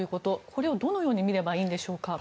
これをどのように見ればいいんでしょうか。